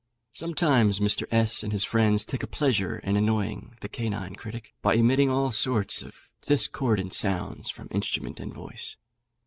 Sometimes Mr. S and his friends take a pleasure in annoying the canine critic, by emitting all sorts of discordant sounds from instrument and voice.